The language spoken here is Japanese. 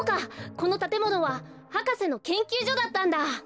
このたてものは博士のけんきゅうじょだったんだ！